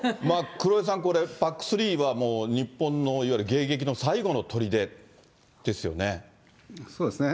黒井さん、これ、ＰＡＣ３は日本のいわゆる迎撃の最後のとりそうですね。